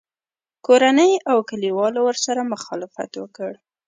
کورنۍ او کلیوالو ورسره مخالفت وکړ